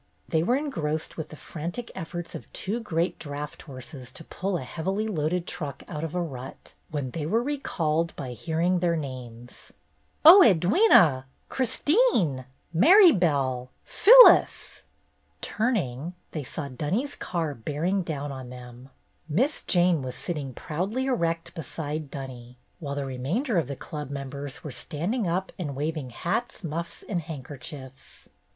They were engrossed with the frantic efforts of two great draught horses to pull a heavily loaded truck out of a rut, when they were re called by hearing their names. HISTORY CLUB VISITS NEW YORK 245 " Oh, Edwyna ! Christine ! Marybelle ! Phyllis!" Turning, they saw Dunny's car bearing down on them. Miss Jane was sitting proudly erect beside Dunny, while the remainder of the Club members were standing up and wav ing hats, muffs, and handkerchiefs.